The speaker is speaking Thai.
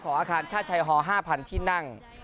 ของอาคารชาชัยฮอร์๕๐๐๐ที่นั่ง